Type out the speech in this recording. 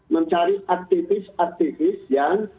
mencari aktivis aktivis yang